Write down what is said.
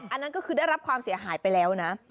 อันนั้นก็คือได้รับความเสียหายไปแล้วนะ